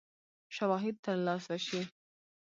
شواهد تر لاسه شي.